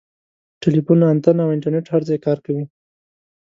ټیلیفون انتن او انټرنیټ هر ځای کار کوي.